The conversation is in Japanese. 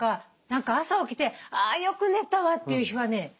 何か朝起きてあよく寝たわっていう日はね